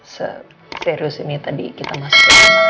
serius ini tadi kita masukin rumah